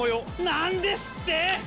何ですって⁉